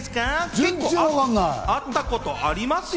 結構会ったことありますよ。